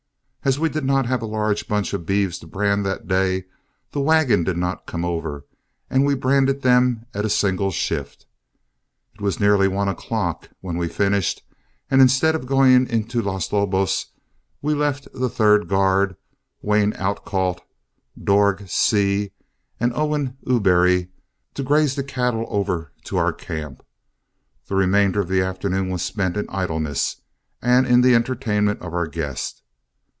As we did not have a large bunch of beeves to brand that day, the wagon did not come over and we branded them at a single shift. It was nearly one o'clock when we finished, and instead of going in to Los Lobos, we left the third guard, Wayne Outcault, "Dorg" Seay, and Owen Ubery, to graze the cattle over to our camp. The remainder of the afternoon was spent in idleness and in the entertainment of our guest.